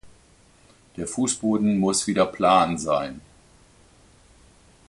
Der Fußboden muss wieder plan sein.